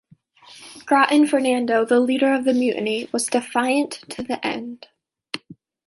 Gratien Fernando, the leader of the mutiny, was defiant to the end.